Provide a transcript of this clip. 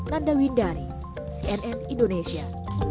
nanda windari cnn indonesia